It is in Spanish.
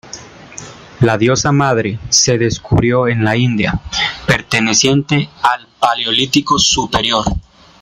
La diosa madre se descubrió en la India, perteneciente al Paleolítico Superior.